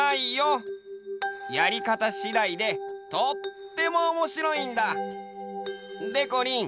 やりかたしだいでとってもおもしろいんだ！でこりん